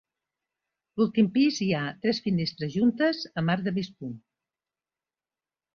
L'últim pis hi ha tres finestres juntes amb arc de mig punt.